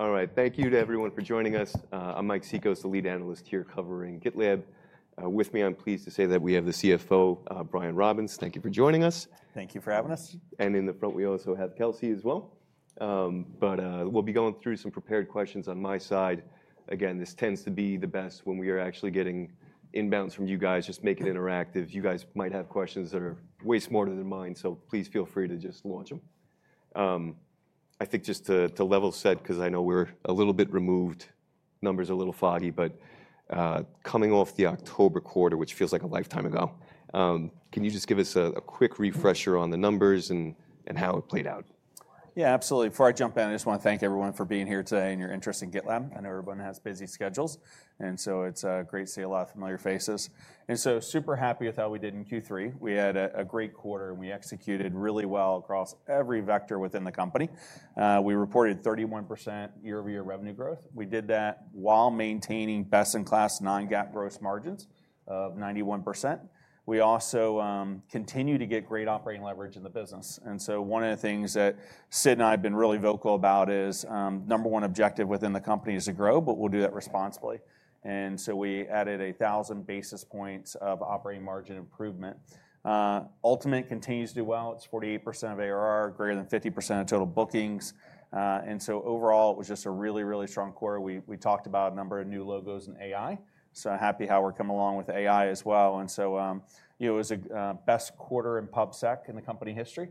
All right, thank you to everyone for joining us. I'm Mike Cikos, the lead analyst here covering GitLab. With me, I'm pleased to say that we have the CFO, Brian Robins. Thank you for joining us. Thank you for having us. In the front, we also have Kelsey as well. We'll be going through some prepared questions on my side. Again, this tends to be the best when we are actually getting inbounds from you guys. Just make it interactive. You guys might have questions that are way smarter than mine, so please feel free to just launch them. I think just to level set, because I know we're a little bit removed, numbers are a little foggy, but coming off the October quarter, which feels like a lifetime ago, can you just give us a quick refresher on the numbers and how it played out? Yeah, absolutely. Before I jump in, I just want to thank everyone for being here today and your interest in GitLab. I know everyone has busy schedules, and so it's great to see a lot of familiar faces, and so super happy with how we did in Q3. We had a great quarter, and we executed really well across every vector within the company. We reported 31% year-over-year revenue growth. We did that while maintaining best-in-class non-GAAP gross margins of 91%. We also continue to get great operating leverage in the business, and so one of the things that Sid and I have been really vocal about is number one objective within the company is to grow, but we'll do that responsibly, and so we added 1,000 basis points of operating margin improvement. Ultimate continues to do well. It's 48% of ARR, greater than 50% of total bookings. Overall, it was just a really, really strong quarter. We talked about a number of new logos and AI. Happy how we're coming along with AI as well. It was the best quarter in PubSec in the company history,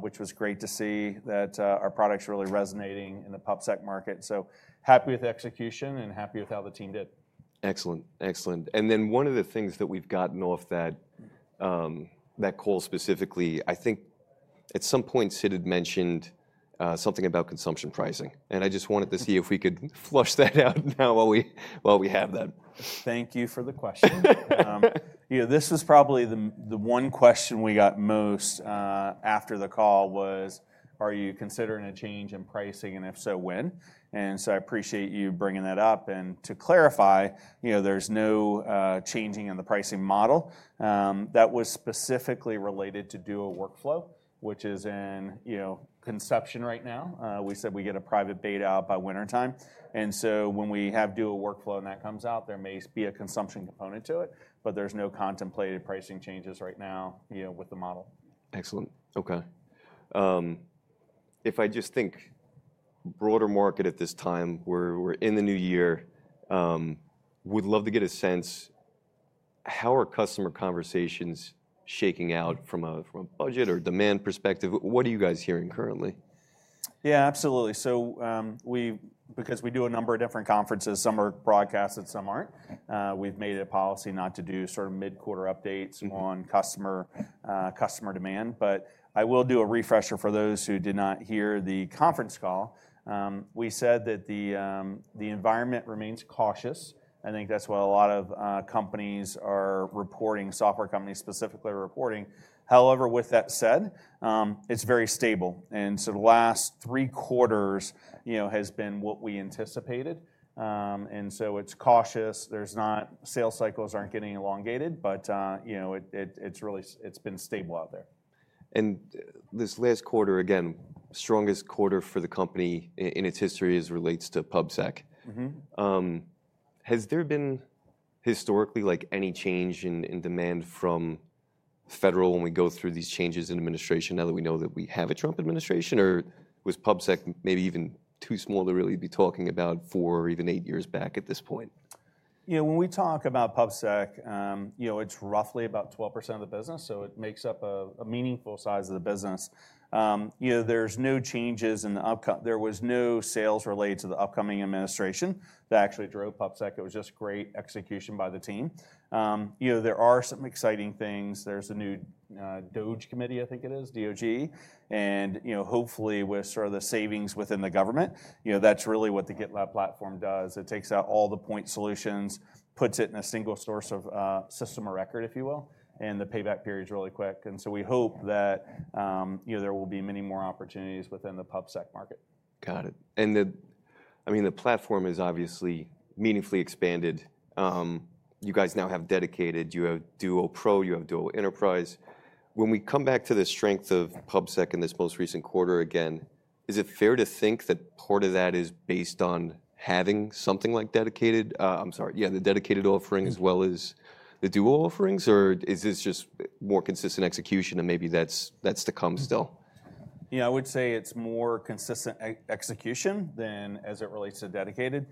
which was great to see that our products are really resonating in the PubSec market. Happy with the execution and happy with how the team did. Excellent, excellent. And then one of the things that we've gotten off that call specifically, I think at some point Sid had mentioned something about consumption pricing. And I just wanted to see if we could flesh that out now while we have that. Thank you for the question. This is probably the one question we got most after the call was, are you considering a change in pricing? And if so, when? And so I appreciate you bringing that up. And to clarify, there's no changing in the pricing model. That was specifically related to Duo Workflow, which is in conception right now. We said we get a private beta out by wintertime. And so when we have Duo Workflow and that comes out, there may be a consumption component to it, but there's no contemplated pricing changes right now with the model. Excellent. OK. If I just think broader market at this time, we're in the new year. We'd love to get a sense, how are customer conversations shaking out from a budget or demand perspective? What are you guys hearing currently? Yeah, absolutely. So because we do a number of different conferences, some are broadcasted, some aren't, we've made it a policy not to do sort of mid-quarter updates on customer demand. But I will do a refresher for those who did not hear the conference call. We said that the environment remains cautious. I think that's what a lot of companies are reporting, software companies specifically reporting. However, with that said, it's very stable. And so the last three quarters has been what we anticipated. And so it's cautious. Sales cycles aren't getting elongated, but it's been stable out there. This last quarter, again, strongest quarter for the company in its history as it relates to PubSec. Has there been historically any change in demand from federal when we go through these changes in administration now that we know that we have a Trump administration? Or was PubSec maybe even too small to really be talking about four or even eight years back at this point? When we talk about PubSec, it's roughly about 12% of the business, so it makes up a meaningful size of the business. There's no changes in the upcoming. There was no sales related to the upcoming administration that actually drove PubSec. It was just great execution by the team. There are some exciting things. There's a new DOGE Committee, I think it is, DOGE. And hopefully, with sort of the savings within the government, that's really what the GitLab platform does. It takes out all the point solutions, puts it in a single source of system or record, if you will, and the payback period is really quick. And so we hope that there will be many more opportunities within the PubSec market. Got it. And I mean, the platform is obviously meaningfully expanded. You guys now have Dedicated. You have Duo Pro. You have Duo Enterprise. When we come back to the strength of PubSec in this most recent quarter again, is it fair to think that part of that is based on having something like Dedicated, I'm sorry, yeah, the Dedicated offering as well as the Duo offerings? Or is this just more consistent execution and maybe that's to come still? Yeah, I would say it's more consistent execution than, as it relates to Dedicated.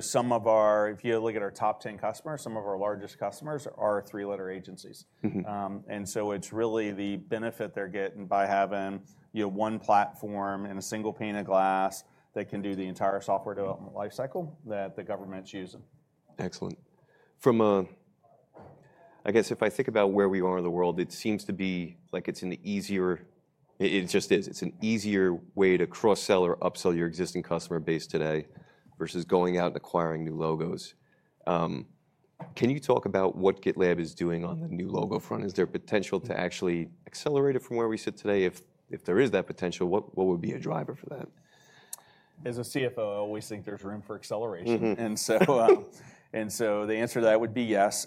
Some of our, if you look at our top 10 customers, some of our largest customers are three-letter agencies, and so it's really the benefit they're getting by having one platform and a single pane of glass that can do the entire software development lifecycle that the government's using. Excellent. I guess if I think about where we are in the world, it seems to be like it's an easier way to cross-sell or upsell your existing customer base today versus going out and acquiring new logos. Can you talk about what GitLab is doing on the new logo front? Is there potential to actually accelerate it from where we sit today? If there is that potential, what would be a driver for that? As a CFO, I always think there's room for acceleration. And so the answer to that would be yes.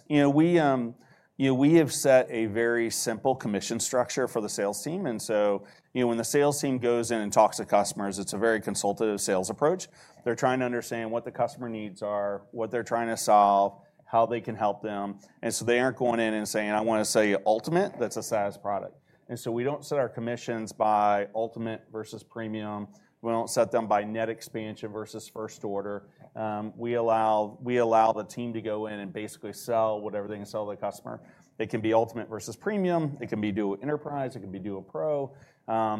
We have set a very simple commission structure for the sales team. And so when the sales team goes in and talks to customers, it's a very consultative sales approach. They're trying to understand what the customer needs are, what they're trying to solve, how they can help them. And so they aren't going in and saying, I want to sell you Ultimate. That's a SaaS product. And so we don't set our commissions by Ultimate versus Premium. We don't set them by net expansion versus first order. We allow the team to go in and basically sell whatever they can sell to the customer. It can be Ultimate versus Premium. It can be Duo Enterprise. It can be Duo Pro. One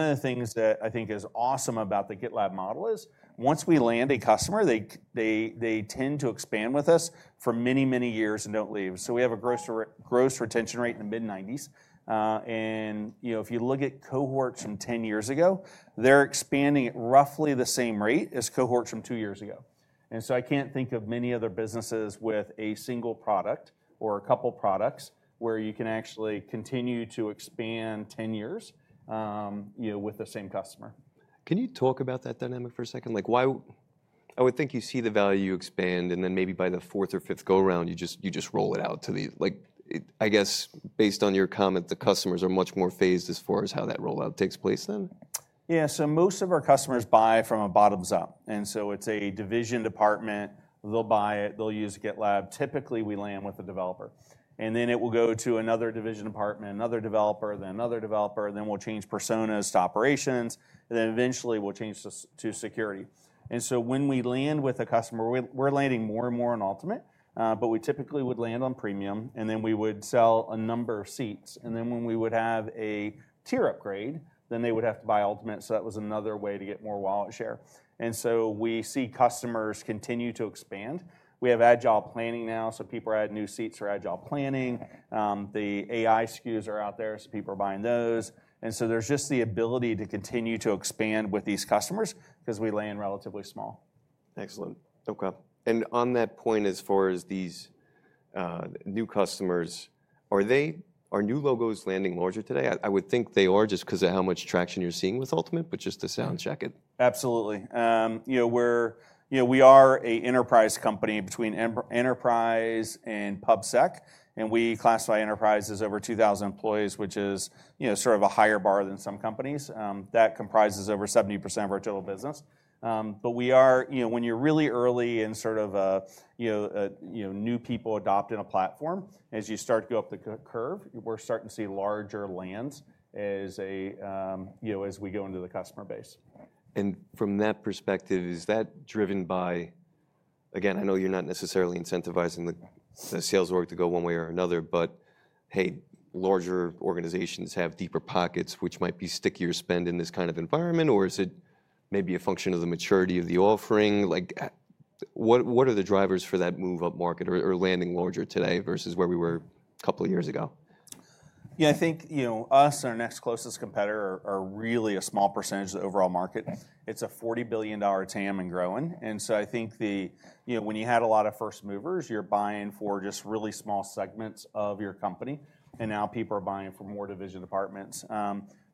of the things that I think is awesome about the GitLab model is once we land a customer, they tend to expand with us for many, many years and don't leave. We have a gross retention rate in the mid-90s%. If you look at cohorts from 10 years ago, they're expanding at roughly the same rate as cohorts from two years ago. I can't think of many other businesses with a single product or a couple of products where you can actually continue to expand 10 years with the same customer. Can you talk about that dynamic for a second? I would think you see the value, you expand, and then maybe by the fourth or fifth go-round, you just roll it out to the, I guess, based on your comment, the customers are much more phased as far as how that rollout takes place then? Yeah, so most of our customers buy from a bottoms up, and so it's a division department. They'll buy it. They'll use GitLab. Typically, we land with a developer, and then it will go to another division department, another developer, then another developer, then we'll change personas to operations, and then eventually, we'll change to security, and so when we land with a customer, we're landing more and more on Ultimate, but we typically would land on Premium, and then we would sell a number of seats, and then when we would have a tier upgrade, then they would have to buy Ultimate, so that was another way to get more wallet share, and so we see customers continue to expand. We have Agile Planning now, so people are adding new seats for Agile Planning. The AI SKUs are out there, so people are buying those. And so there's just the ability to continue to expand with these customers because we land relatively small. Excellent. OK, and on that point, as far as these new customers, are new logos landing larger today? I would think they are just because of how much traction you're seeing with Ultimate, but just to sound check it. Absolutely. We are an enterprise company between enterprise and PubSec. And we classify enterprise as over 2,000 employees, which is sort of a higher bar than some companies. That comprises over 70% of our total business. But when you're really early and sort of new people adopting a platform, as you start to go up the curve, we're starting to see larger lands as we go into the customer base. From that perspective, is that driven by, again, I know you're not necessarily incentivizing the sales work to go one way or another, but hey, larger organizations have deeper pockets, which might be stickier spend in this kind of environment? Or is it maybe a function of the maturity of the offering? What are the drivers for that move up market or landing larger today versus where we were a couple of years ago? Yeah, I think us and our next closest competitor are really a small percentage of the overall market. It's a $40 billion TAM and growing, and so I think when you had a lot of first movers, you're buying for just really small segments of your company, and now people are buying for more division departments.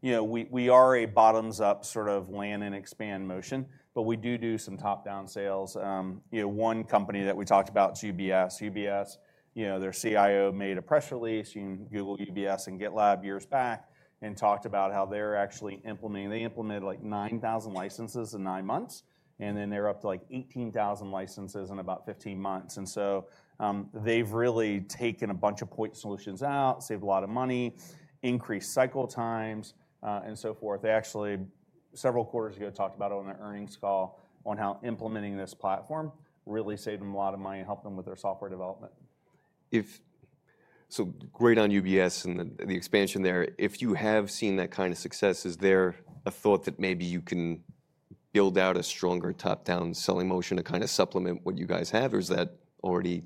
We are a bottoms up sort of land and expand motion, but we do do some top-down sales. One company that we talked about is UBS. UBS, their CIO made a press release. You can Google UBS and GitLab years back and talked about how they're actually implementing. They implemented like 9,000 licenses in nine months, and then they're up to like 18,000 licenses in about 15 months, and so they've really taken a bunch of point solutions out, saved a lot of money, increased cycle times, and so forth. They actually, several quarters ago, talked about it on their earnings call on how implementing this platform really saved them a lot of money and helped them with their software development. So great on UBS and the expansion there. If you have seen that kind of success, is there a thought that maybe you can build out a stronger top-down selling motion to kind of supplement what you guys have? Or is that already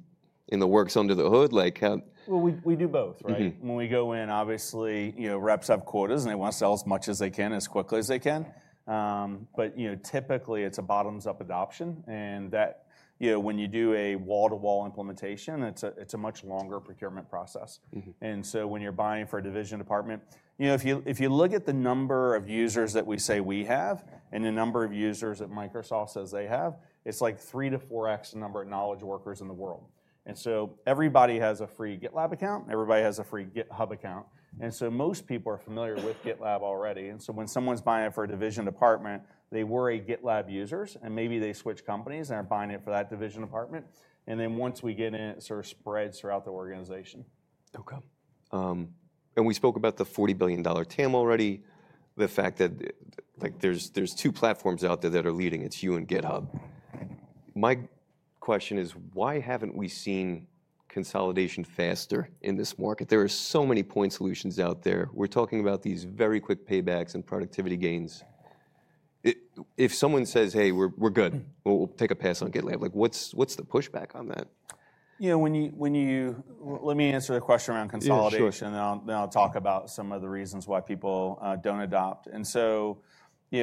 in the works under the hood? We do both, right? When we go in, obviously, reps have quotas, and they want to sell as much as they can as quickly as they can. But typically, it's a bottoms-up adoption. And when you do a wall-to-wall implementation, it's a much longer procurement process. And so when you're buying for a division department, if you look at the number of users that we say we have and the number of users that Microsoft says they have, it's like three-to-four X the number of knowledge workers in the world. And so everybody has a free GitLab account. Everybody has a free GitHub account. And so most people are familiar with GitLab already. And so when someone's buying it for a division department, they were GitLab users. And maybe they switch companies and are buying it for that division department. Once we get in, it sort of spreads throughout the organization. OK. And we spoke about the $40 billion TAM already, the fact that there's two platforms out there that are leading. It's you and GitHub. My question is, why haven't we seen consolidation faster in this market? There are so many point solutions out there. We're talking about these very quick paybacks and productivity gains. If someone says, hey, we're good, we'll take a pass on GitLab, what's the pushback on that? Let me answer the question around consolidation. Yeah, sure. And then I'll talk about some of the reasons why people don't adopt. And so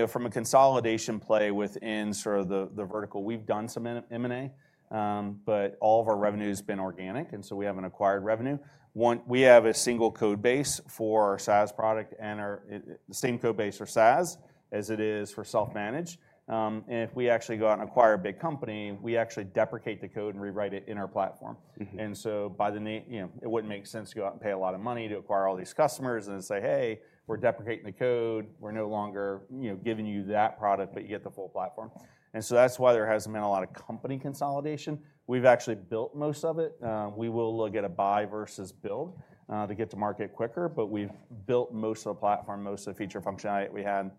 from a consolidation play within sort of the vertical, we've done some M&A, but all of our revenue has been organic. And so we haven't acquired revenue. We have a single code base for our SaaS product and the same code base for SaaS as it is for self-managed. And if we actually go out and acquire a big company, we actually deprecate the code and rewrite it in our platform. And so it wouldn't make sense to go out and pay a lot of money to acquire all these customers and say, hey, we're deprecating the code. We're no longer giving you that product, but you get the full platform. And so that's why there hasn't been a lot of company consolidation. We've actually built most of it. We will look at a buy versus build to get to market quicker, but we've built most of the platform, most of the feature functionality that we had.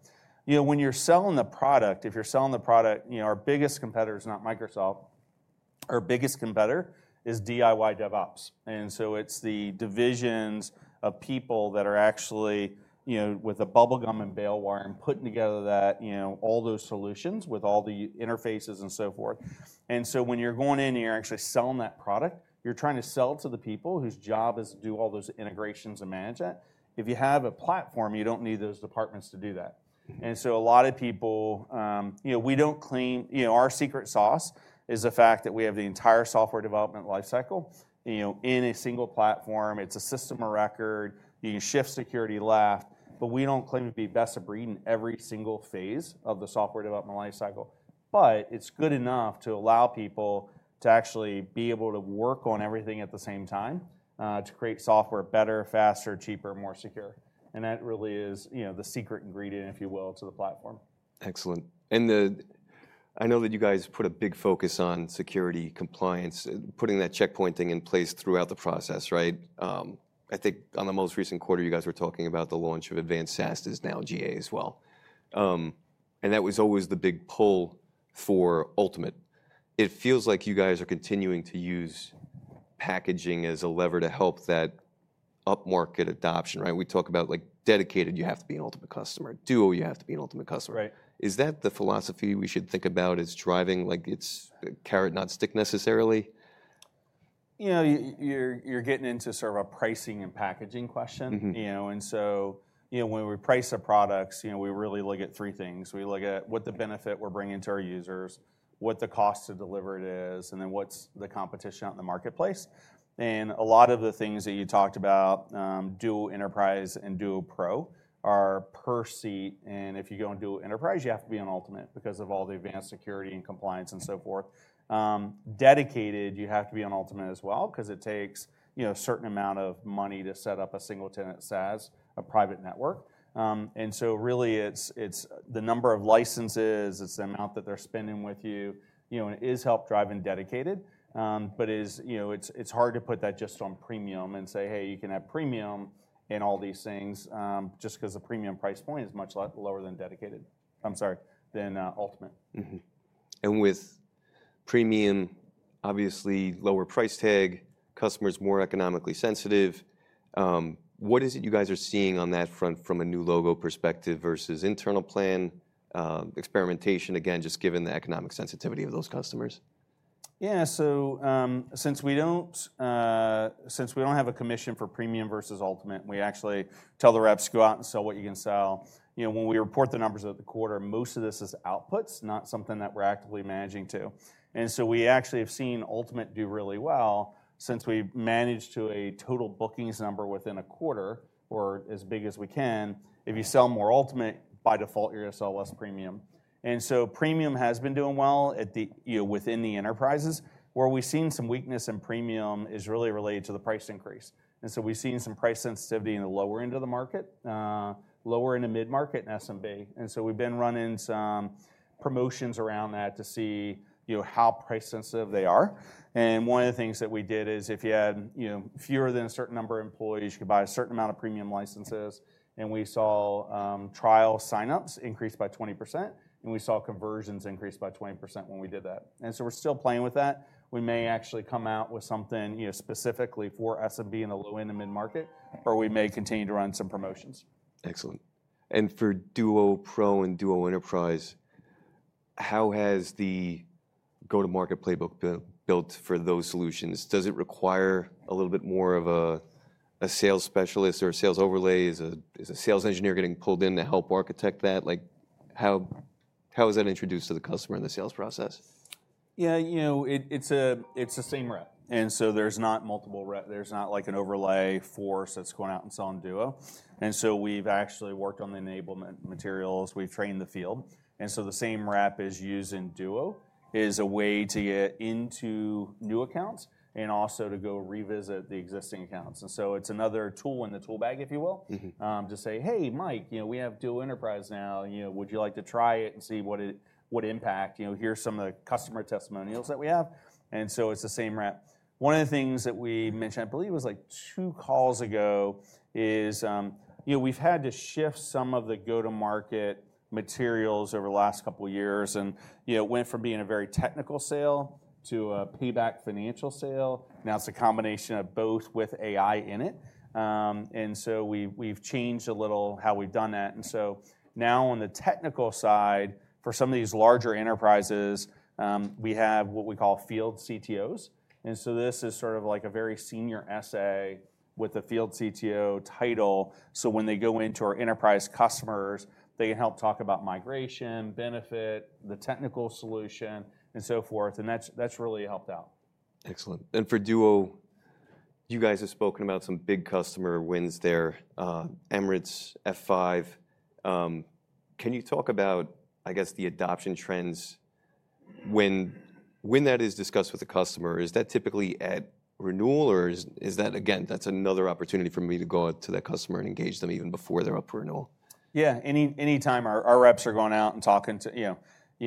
When you're selling the product, if you're selling the product, our biggest competitor is not Microsoft. Our biggest competitor is DIY DevOps, and so it's the divisions of people that are actually with a bubblegum and baling wire and putting together all those solutions with all the interfaces and so forth, and so when you're going in and you're actually selling that product, you're trying to sell it to the people whose job is to do all those integrations and manage that. If you have a platform, you don't need those departments to do that, and so a lot of people, we don't claim our secret sauce is the fact that we have the entire software development lifecycle in a single platform. It's a system of record. You can shift security left, but we don't claim to be best of breed in every single phase of the software development lifecycle, but it's good enough to allow people to actually be able to work on everything at the same time to create software better, faster, cheaper, more secure, and that really is the secret ingredient, if you will, to the platform. Excellent. And I know that you guys put a big focus on security compliance, putting that checkpointing in place throughout the process, right? I think on the most recent quarter, you guys were talking about the launch of Advanced SaaS, that is now GA as well. And that was always the big pull for Ultimate. It feels like you guys are continuing to use packaging as a lever to help that upmarket adoption, right? We talk about Dedicated, you have to be an Ultimate customer. Duo, you have to be an Ultimate customer. Is that the philosophy we should think about as driving? It's carrot, not stick necessarily? You're getting into sort of a pricing and packaging question. And so when we price our products, we really look at three things. We look at what the benefit we're bringing to our users, what the cost to deliver it is, and then what's the competition out in the marketplace. And a lot of the things that you talked about, Duo Enterprise and Duo Pro are per seat. And if you go into enterprise, you have to be on Ultimate because of all the advanced security and compliance and so forth. Dedicated, you have to be on Ultimate as well because it takes a certain amount of money to set up a single tenant SaaS, a private network. And so really, it's the number of licenses. It's the amount that they're spending with you. It is helping drive Dedicated, but it's hard to put that just on Premium and say, hey, you can have Premium in all these things just because the Premium price point is much lower than Dedicated. I'm sorry, than Ultimate. And with Premium, obviously lower price tag, customers more economically sensitive. What is it you guys are seeing on that front from a new logo perspective versus internal plan experimentation, again, just given the economic sensitivity of those customers? Yeah, so since we don't have a commission for Premium versus Ultimate, we actually tell the reps to go out and sell what you can sell. When we report the numbers of the quarter, most of this is outputs, not something that we're actively managing to. And so we actually have seen Ultimate do really well since we managed to a total bookings number within a quarter or as big as we can. If you sell more Ultimate, by default, you're going to sell less Premium. And so Premium has been doing well within the enterprises. Where we've seen some weakness in Premium is really related to the price increase. And so we've seen some price sensitivity in the lower end of the market, lower in the mid-market in SMB. And so we've been running some promotions around that to see how price sensitive they are. And one of the things that we did is if you had fewer than a certain number of employees, you could buy a certain amount of Premium licenses. And we saw trial signups increase by 20%. And we saw conversions increase by 20% when we did that. And so we're still playing with that. We may actually come out with something specifically for SMB in the low end and mid-market, or we may continue to run some promotions. Excellent. And for Duo Pro and Duo Enterprise, how has the go-to-market playbook been built for those solutions? Does it require a little bit more of a sales specialist or a sales overlay? Is a sales engineer getting pulled in to help architect that? How is that introduced to the customer in the sales process? Yeah, it's the same rep, and so there's not multiple reps. There's not like an overlay force that's going out and selling Duo, and so we've actually worked on the enablement materials. We've trained the field, and so the same rep is using Duo as a way to get into new accounts and also to go revisit the existing accounts, and so it's another tool in the tool bag, if you will, to say, "Hey, Mike, we have Duo Enterprise now. Would you like to try it and see what impact? Here's some of the customer testimonials that we have," and so it's the same rep. One of the things that we mentioned, I believe it was like two calls ago, is we've had to shift some of the go-to-market materials over the last couple of years. It went from being a very technical sale to a payback financial sale. Now it's a combination of both with AI in it. We've changed a little how we've done that. Now on the technical side, for some of these larger enterprises, we have what we call Field CTOs. This is sort of like a very senior SAE with a Field CTO title. When they go into our enterprise customers, they can help talk about migration, benefit, the technical solution, and so forth. That's really helped out. Excellent. And for Duo, you guys have spoken about some big customer wins there, Emirates, F5. Can you talk about, I guess, the adoption trends when that is discussed with the customer? Is that typically at renewal? Or is that, again, that's another opportunity for me to go out to that customer and engage them even before they're up for renewal? Yeah, any time our reps are going out and talking to, it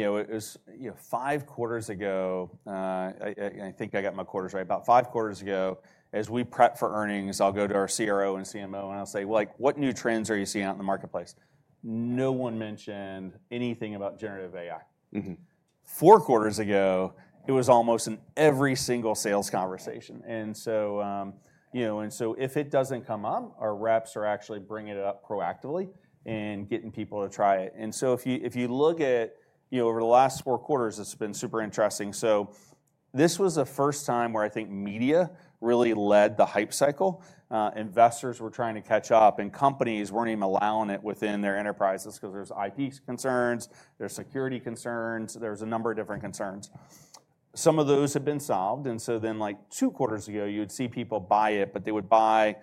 was five quarters ago. I think I got my quarters right. About five quarters ago, as we prep for earnings, I'll go to our CRO and CMO, and I'll say, what new trends are you seeing out in the marketplace? No one mentioned anything about generative AI. Four quarters ago, it was almost in every single sales conversation. And so if it doesn't come up, our reps are actually bringing it up proactively and getting people to try it. And so if you look at over the last four quarters, it's been super interesting. So this was the first time where I think media really led the hype cycle. Investors were trying to catch up, and companies weren't even allowing it within their enterprises because there's IP concerns. There's security concerns. There's a number of different concerns. Some of those have been solved, and so then like two quarters ago, you would see people buy it, but they would buy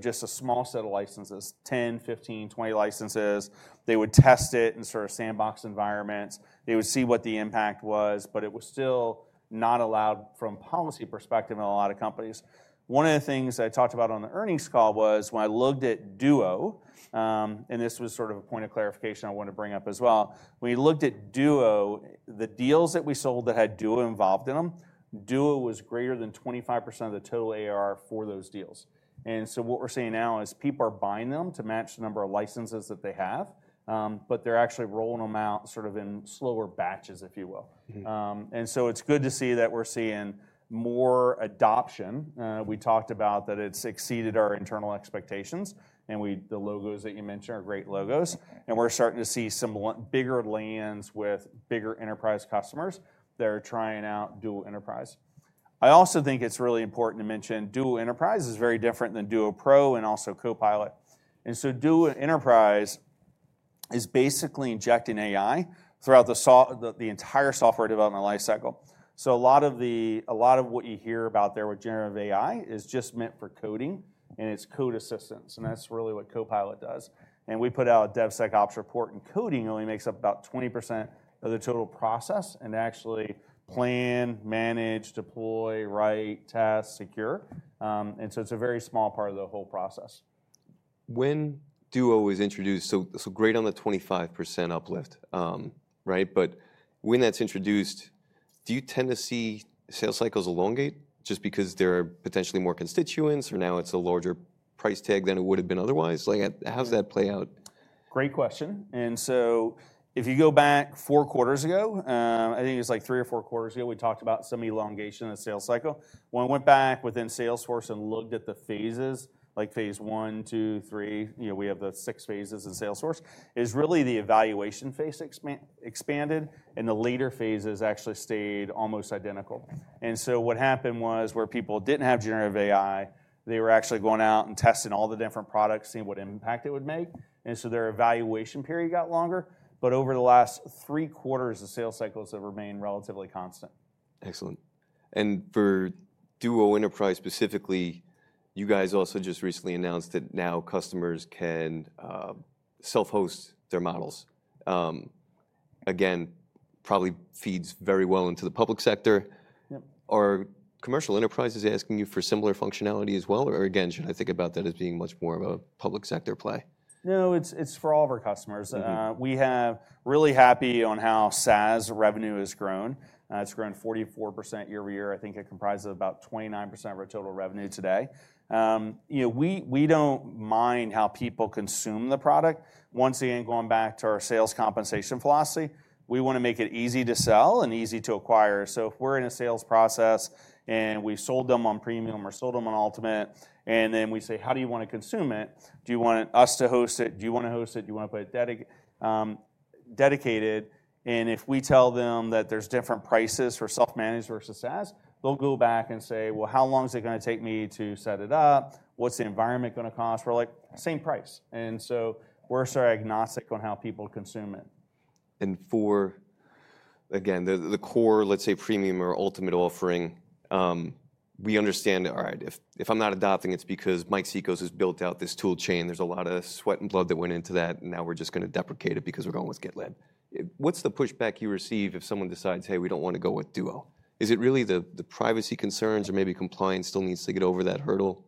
just a small set of licenses, 10, 15, 20 licenses. They would test it in sort of sandbox environments. They would see what the impact was. But it was still not allowed from policy perspective in a lot of companies. One of the things I talked about on the earnings call was when I looked at Duo, and this was sort of a point of clarification I wanted to bring up as well. When we looked at Duo, the deals that we sold that had Duo involved in them, Duo was greater than 25% of the total ARR for those deals. What we're seeing now is people are buying them to match the number of licenses that they have, but they're actually rolling them out sort of in slower batches, if you will. It's good to see that we're seeing more adoption. We talked about that it's exceeded our internal expectations. The logos that you mentioned are great logos. We're starting to see some bigger lands with bigger enterprise customers that are trying out Duo Enterprise. I also think it's really important to mention Duo Enterprise is very different than Duo Pro and also Copilot. Duo Enterprise is basically injecting AI throughout the entire software development lifecycle. A lot of what you hear about there with generative AI is just meant for coding, and it's code assistance. That's really what Copilot does. We put out a DevSecOps report, and coding only makes up about 20% of the total process: actually plan, manage, deploy, write, test, secure. So it's a very small part of the whole process. When Duo was introduced, so great on the 25% uplift, right? But when that's introduced, do you tend to see sales cycles elongate just because there are potentially more constituents, or now it's a larger price tag than it would have been otherwise? How does that play out? Great question, and so if you go back four quarters ago, I think it was like three or four quarters ago, we talked about some elongation of the sales cycle. When I went back within Salesforce and looked at the phases, like phase one, two, three, we have the six phases in Salesforce, is really the evaluation phase expanded, and the later phases actually stayed almost identical, and so what happened was where people didn't have generative AI, they were actually going out and testing all the different products, seeing what impact it would make, and so their evaluation period got longer, but over the last three quarters, the sales cycles have remained relatively constant. Excellent. And for Duo Enterprise specifically, you guys also just recently announced that now customers can self-host their models. Again, probably feeds very well into the public sector. Are commercial enterprises asking you for similar functionality as well? Or again, should I think about that as being much more of a public sector play? No, it's for all of our customers. We have really happy on how SaaS revenue has grown. It's grown 44% year-over-year. I think it comprises about 29% of our total revenue today. We don't mind how people consume the product. Once again, going back to our sales compensation philosophy, we want to make it easy to sell and easy to acquire. So if we're in a sales process and we've sold them on Premium or sold them on Ultimate, and then we say, how do you want to consume it? Do you want us to host it? Do you want to host it? Do you want to put it Dedicated? And if we tell them that there's different prices for self-managed versus SaaS, they'll go back and say, well, how long is it going to take me to set it up? What's the environment going to cost? We're like, same price. And so we're sort of agnostic on how people consume it. And for, again, the core, let's say, Premium or ultimate offering, we understand, all right, if I'm not adopting, it's because Sid Sijbrandij has built out this tool chain. There's a lot of sweat and blood that went into that. And now we're just going to deprecate it because we're going with GitLab. What's the pushback you receive if someone decides, hey, we don't want to go with Duo? Is it really the privacy concerns or maybe compliance still needs to get over that hurdle?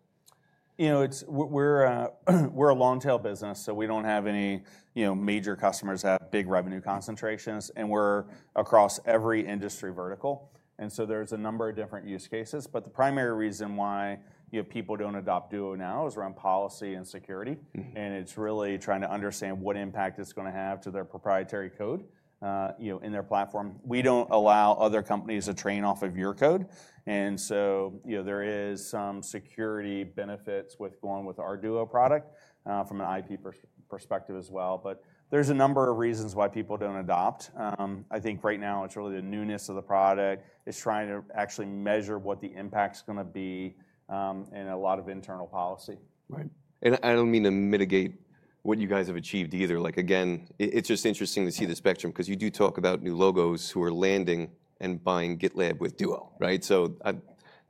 We're a long-tail business, so we don't have any major customers that have big revenue concentrations. And we're across every industry vertical. And so there's a number of different use cases. But the primary reason why people don't adopt Duo now is around policy and security. And it's really trying to understand what impact it's going to have to their proprietary code in their platform. We don't allow other companies to train off of your code. And so there is some security benefits with going with our Duo product from an IP perspective as well. But there's a number of reasons why people don't adopt. I think right now it's really the newness of the product. It's trying to actually measure what the impact's going to be in a lot of internal policy. Right. And I don't mean to mitigate what you guys have achieved either. Again, it's just interesting to see the spectrum because you do talk about new logos who are landing and buying GitLab with Duo, right? So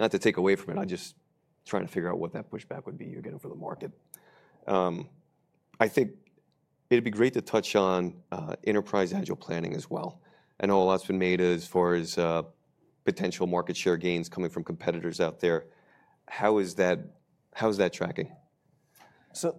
not to take away from it, I'm just trying to figure out what that pushback would be, you're getting for the market. I think it'd be great to touch on Enterprise Agile Planning as well. I know a lot's been made as far as potential market share gains coming from competitors out there. How is that tracking? So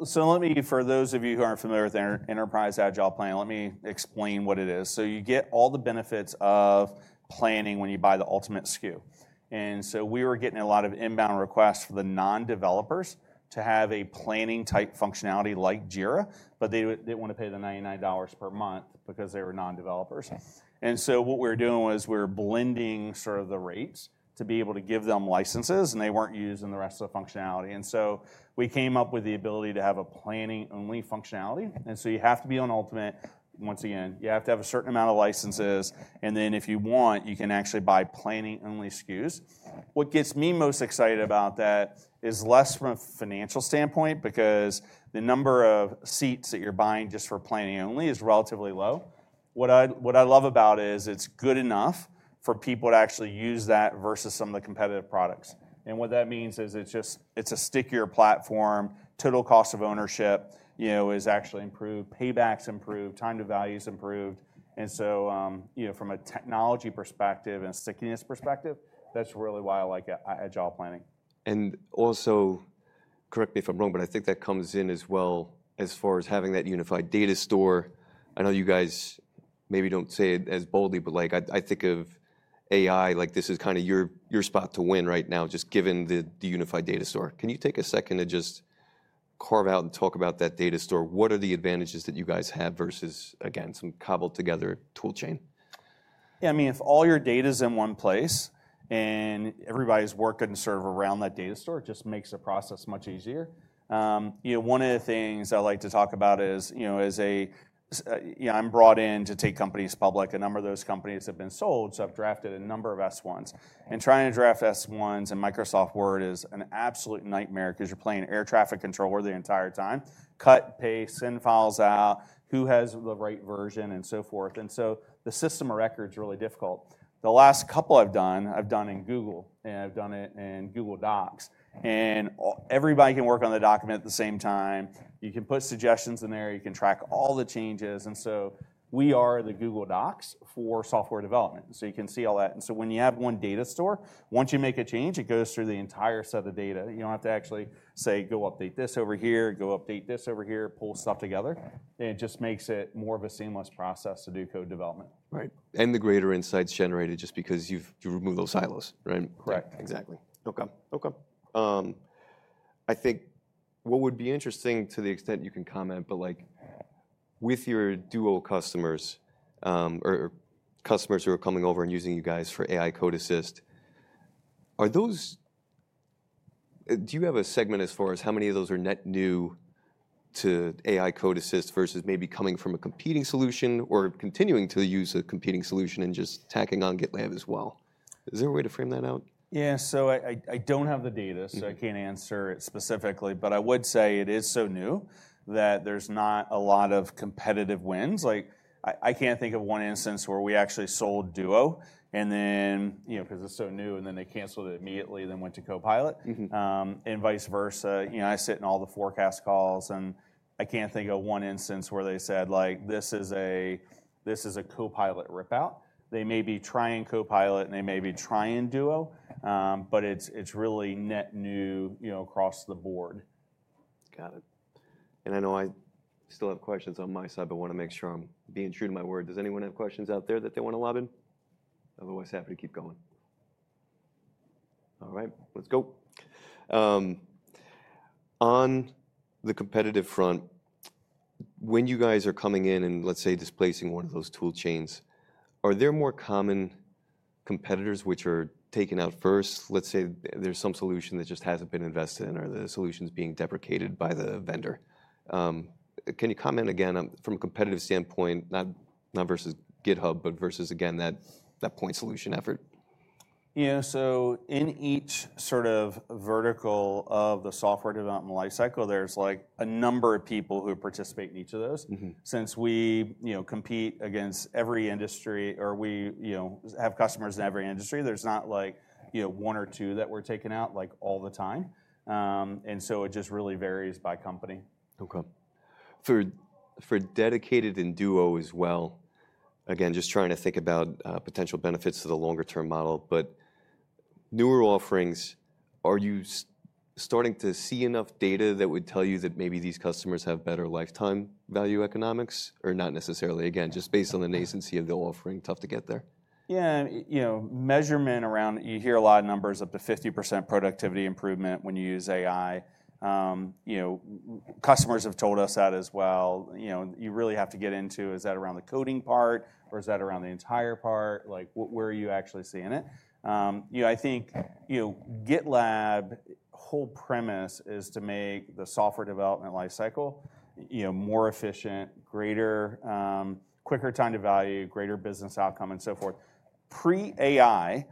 for those of you who aren't familiar with Enterprise Agile Planning, let me explain what it is. So you get all the benefits of planning when you buy the ultimate SKU. And so we were getting a lot of inbound requests for the non-developers to have a planning type functionality like Jira, but they didn't want to pay the $99 per month because they were non-developers. And so what we were doing was we were blending sort of the rates to be able to give them licenses, and they weren't using the rest of the functionality. And so we came up with the ability to have a planning-only functionality. And so you have to be on Ultimate. Once again, you have to have a certain amount of licenses. And then if you want, you can actually buy planning-only SKUs. What gets me most excited about that is less from a financial standpoint because the number of seats that you're buying just for planning-only is relatively low. What I love about it is it's good enough for people to actually use that versus some of the competitive products. And what that means is it's a stickier platform. Total cost of ownership is actually improved. Paybacks improved. Time to value is improved. And so from a technology perspective and stickiness perspective, that's really why I like Agile Planning. And also, correct me if I'm wrong, but I think that comes in as well as far as having that unified data store. I know you guys maybe don't say it as boldly, but I think of AI like this is kind of your spot to win right now, just given the unified data store. Can you take a second to just carve out and talk about that data store? What are the advantages that you guys have versus, again, some cobbled-together tool chain? Yeah, I mean, if all your data is in one place and everybody's working sort of around that data store, it just makes the process much easier. One of the things I like to talk about is I'm brought in to take companies public. A number of those companies have been sold, so I've drafted a number of S-1s. And trying to draft S-1s in Microsoft Word is an absolute nightmare because you're playing air traffic controller the entire time. Cut, paste, send files out. Who has the right version and so forth? And so the system of records is really difficult. The last couple I've done, I've done in Google, and I've done it in Google Docs. And everybody can work on the document at the same time. You can put suggestions in there. You can track all the changes. And so we are the Google Docs for software development. So you can see all that. And so when you have one data store, once you make a change, it goes through the entire set of data. You don't have to actually say, go update this over here, go update this over here, pull stuff together. And it just makes it more of a seamless process to do code development. Right. And the greater insights generated just because you've removed those silos, right? Correct. Exactly. No comment. No comment. I think what would be interesting to the extent you can comment, but with your Duo customers or customers who are coming over and using you guys for AI Code Assist, do you have a segment as far as how many of those are net new to AI Code Assist versus maybe coming from a competing solution or continuing to use a competing solution and just tacking on GitLab as well? Is there a way to frame that out? Yeah. So I don't have the data, so I can't answer it specifically. But I would say it is so new that there's not a lot of competitive wins. I can't think of one instance where we actually sold Duo because it's so new, and then they canceled it immediately and then went to Copilot and vice versa. I sit in all the forecast calls, and I can't think of one instance where they said, this is a Copilot ripout. They may be trying Copilot, and they may be trying Duo, but it's really net new across the board. Got it. And I know I still have questions on my side, but I want to make sure I'm being true to my word. Does anyone have questions out there that they want to lob in? Otherwise, happy to keep going. All right. Let's go. On the competitive front, when you guys are coming in and let's say displacing one of those tool chains, are there more common competitors which are taken out first? Let's say there's some solution that just hasn't been invested in, or the solution's being deprecated by the vendor. Can you comment again from a competitive standpoint, not versus GitHub, but versus, again, that point solution effort? Yeah. So in each sort of vertical of the software development lifecycle, there's a number of people who participate in each of those. Since we compete against every industry or we have customers in every industry, there's not one or two that we're taking out all the time. And so it just really varies by company. No comment. For Dedicated and duo as well, again, just trying to think about potential benefits of the longer-term model. But newer offerings, are you starting to see enough data that would tell you that maybe these customers have better lifetime value economics or not necessarily? Again, just based on the nascency of the offering, tough to get there. Yeah. Measurement around, you hear a lot of numbers up to 50% productivity improvement when you use AI. Customers have told us that as well. You really have to get into, is that around the coding part, or is that around the entire part? Where are you actually seeing it? I think GitLab's whole premise is to make the software development lifecycle more efficient, greater, quicker time to value, greater business outcome, and so forth. Pre-AI,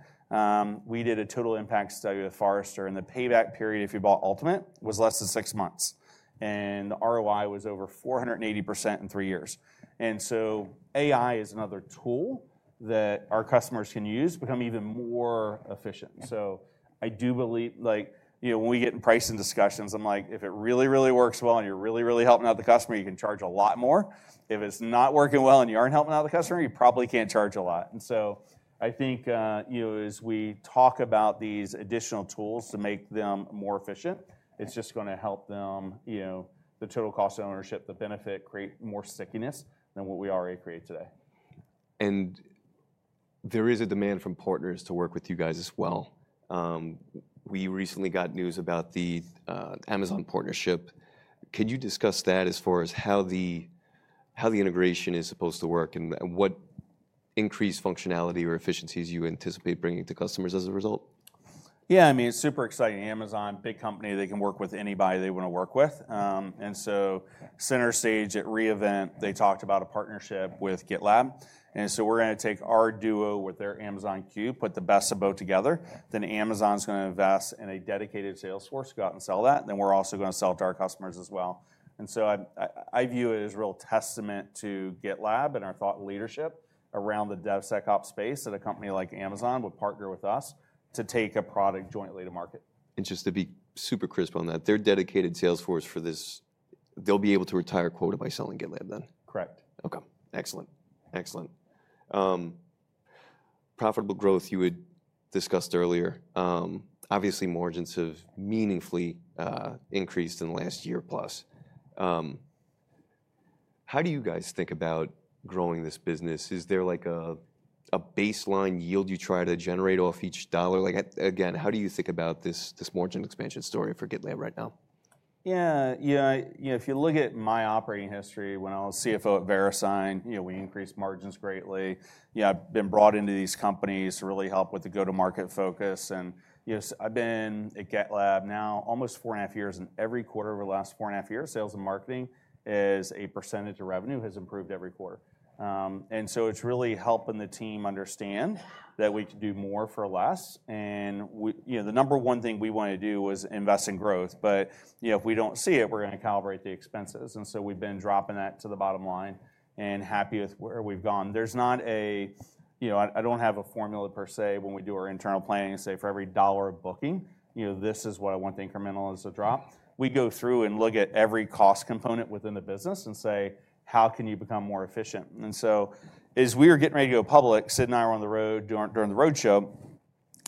we did a total impact study with Forrester, and the payback period, if you bought Ultimate, was less than six months. And the ROI was over 480% in three years. And so AI is another tool that our customers can use to become even more efficient. So, I do believe when we get in pricing discussions, I'm like, if it really, really works well and you're really, really helping out the customer, you can charge a lot more. If it's not working well and you aren't helping out the customer, you probably can't charge a lot. And so, I think as we talk about these additional tools to make them more efficient, it's just going to help them the total cost of ownership, the benefit create more stickiness than what we already create today. There is a demand from partners to work with you guys as well. We recently got news about the Amazon partnership. Could you discuss that as far as how the integration is supposed to work and what increased functionality or efficiencies you anticipate bringing to customers as a result? Yeah. I mean, it's super exciting. Amazon, big company. They can work with anybody they want to work with. And so center stage, at re:Invent, they talked about a partnership with GitLab. And so we're going to take our Duo with their Amazon Q, put the best of both together. Then Amazon's going to invest in a Dedicated Salesforce, go out and sell that. Then we're also going to sell it to our customers as well. And so I view it as a real testament to GitLab and our thought leadership around the DevSecOps space that a company like Amazon would partner with us to take a product jointly to market. Just to be super crisp on that, their Dedicated Salesforce for this, they'll be able to retire quota by selling GitLab then? Correct. Okay. Excellent. Excellent. Profitable growth you had discussed earlier. Obviously, margins have meaningfully increased in the last year plus. How do you guys think about growing this business? Is there a baseline yield you try to generate off each dollar? Again, how do you think about this margin expansion story for GitLab right now? Yeah. Yeah. If you look at my operating history, when I was CFO at Verisign, we increased margins greatly. I've been brought into these companies to really help with the go-to-market focus. And I've been at GitLab now almost four and a half years. And every quarter-over the last four and a half years, sales and marketing as a percentage of revenue has improved every quarter. And so it's really helping the team understand that we can do more for less. And the number one thing we wanted to do was invest in growth. But if we don't see it, we're going to calibrate the expenses. And so we've been dropping that to the bottom line and happy with where we've gone. I don't have a formula per se. When we do our internal planning, say, for every dollar of booking, this is what I want the incremental as a drop. We go through and look at every cost component within the business and say, how can you become more efficient? And so as we were getting ready to go public, Sid and I were on the road during the roadshow.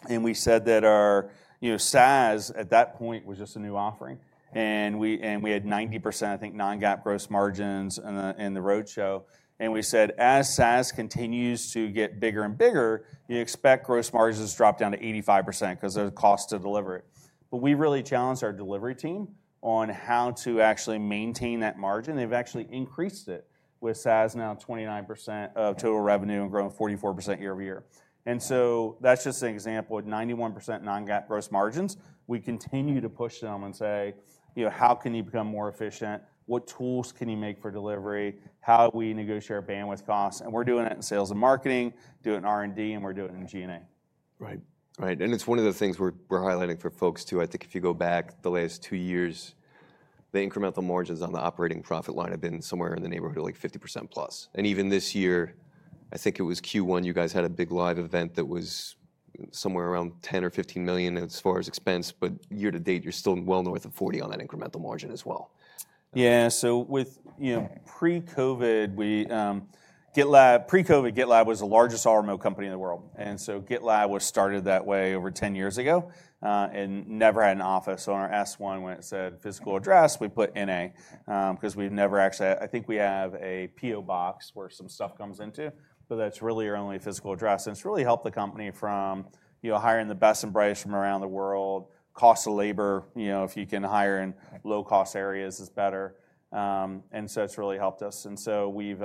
And we said that our SaaS at that point was just a new offering. And we had 90%, I think, Non-GAAP gross margins in the roadshow. And we said, as SaaS continues to get bigger and bigger, you expect gross margins to drop down to 85% because of the cost to deliver it. But we really challenged our delivery team on how to actually maintain that margin. They've actually increased it with SaaS now 29% of total revenue and growing 44% year-over-year. That's just an example. At 91% non-GAAP gross margins, we continue to push them and say, how can you become more efficient? What tools can you make for delivery? How do we negotiate our bandwidth costs? We're doing it in sales and marketing, doing R&D, and we're doing it in G&A. Right. Right. And it's one of the things we're highlighting for folks too. I think if you go back the last two years, the incremental margins on the operating profit line have been somewhere in the neighborhood of like 50% plus. And even this year, I think it was Q1, you guys had a big live event that was somewhere around $10 million-$15 million as far as expense. But year to date, you're still well north of 40% on that incremental margin as well. Yeah. So pre-COVID, GitLab was the largest remote company in the world. And so GitLab was started that way over 10 years ago and never had an office. So on our S-1, when it said physical address, we put N/A because we've never actually, I think we have a P.O. box where some stuff comes into, but that's really our only physical address. And it's really helped the company from hiring the best and brightest from around the world. Cost of labor, if you can hire in low-cost areas, is better. And so it's really helped us. And so we've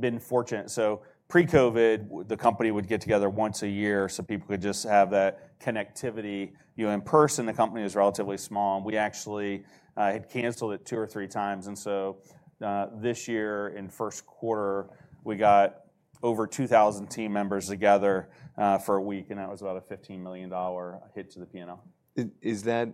been fortunate. So pre-COVID, the company would get together once a year so people could just have that connectivity. In person, the company was relatively small. And we actually had canceled it two or three times. This year, in first quarter, we got over 2,000 team members together for a week. That was about a $15 million hit to the P&L. Is that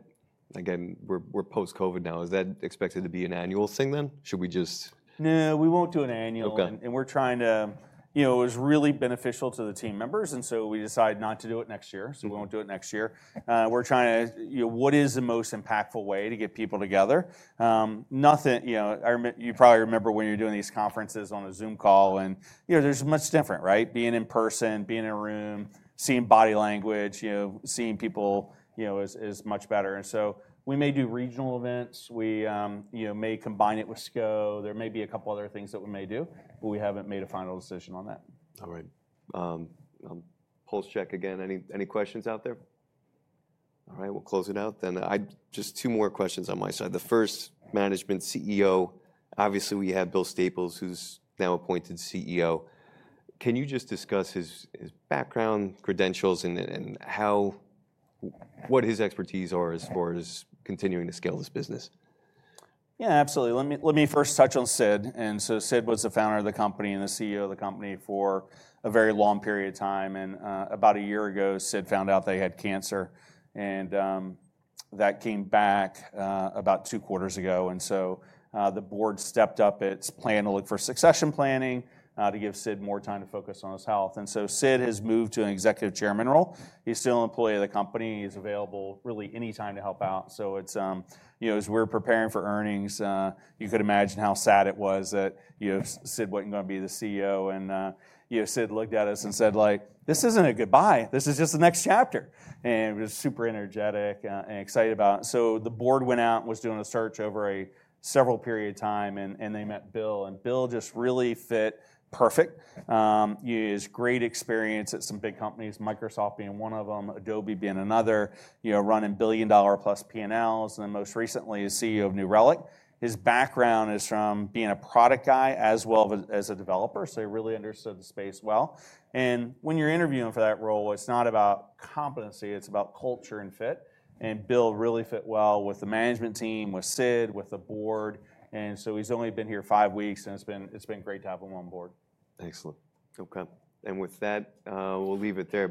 again? We're post-COVID now. Is that expected to be an annual thing then? Should we just? No, we won't do an annual. And we're trying to. It was really beneficial to the team members. And so we decided not to do it next year. So we won't do it next year. We're trying to. What is the most impactful way to get people together? You probably remember when you're doing these conferences on a Zoom call, and there's much different, right? Being in person, being in a room, seeing body language, seeing people is much better. And so we may do regional events. We may combine it with SKO. There may be a couple other things that we may do, but we haven't made a final decision on that. All right. I'll pulse check again. Any questions out there? All right. We'll close it out then. Just two more questions on my side. The first, management CEO. Obviously, we have Bill Staples, who's now appointed CEO. Can you just discuss his background, credentials, and what his expertise are as far as continuing to scale this business? Yeah, absolutely. Let me first touch on Sid, and so Sid was the founder of the company and the CEO of the company for a very long period of time. About a year ago, Sid found out they had cancer, and that came back about two quarters ago, so the board stepped up its plan to look for succession planning to give Sid more time to focus on his health. And so Sid has moved to an Executive Chairman role. He's still an employee of the company. He's available really anytime to help out. As we were preparing for earnings, you could imagine how sad it was that Sid wasn't going to be the CEO. Sid looked at us and said, like, this isn't a goodbye. This is just the next chapter, and he was super energetic and excited about it. So the board went out and was doing a search over several periods of time. And they met Bill. And Bill just really fit perfect. He has great experience at some big companies, Microsoft being one of them, Adobe being another, running billion-dollar-plus P&Ls. And then most recently, he's CEO of New Relic. His background is from being a product guy as well as a developer. So he really understood the space well. And when you're interviewing for that role, it's not about competency. It's about culture and fit. And Bill really fit well with the management team, with Sid, with the board. And so he's only been here five weeks. And it's been great to have him on board. Excellent. Okay, and with that, we'll leave it there.